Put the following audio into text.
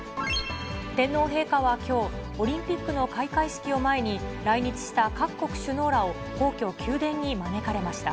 天皇陛下はきょう、オリンピックの開会式を前に、来日した各国首脳らを皇居・宮殿に招かれました。